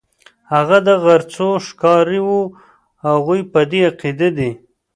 هغه د غرڅو ښکاري وو، هغوی په دې عقیده دي.